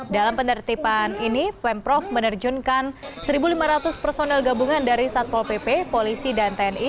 dalam penertiban ini pemprov menerjunkan satu lima ratus personel gabungan dari satpol pp polisi dan tni